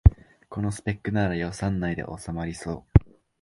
このスペックなら予算内でおさまりそう